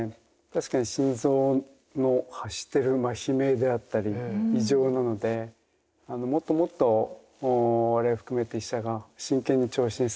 確かに心臓の発してるまあ悲鳴であったり異常なのでもっともっと我々含めて医者が真剣に聴診すべきかなと思ってます。